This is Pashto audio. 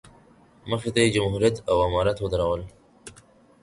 مخې ته یې جمهوریت او امارت ودرول.